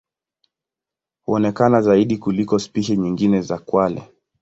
Huonekana zaidi kuliko spishi nyingine za kwale.